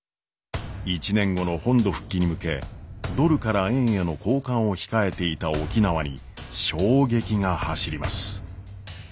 １年後の本土復帰に向けドルから円への交換を控えていた沖縄に衝撃が走ります。